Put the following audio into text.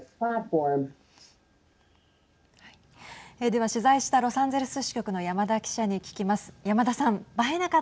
では、取材したロサンゼルス支局の山田記者に聞きます。